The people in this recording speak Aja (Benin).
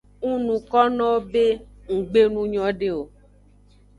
Ng nukonowo be nggbe nu nyode o.